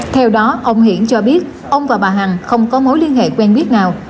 theo đó ông hiển cho biết ông và bà hằng không có mối liên hệ quen biết nào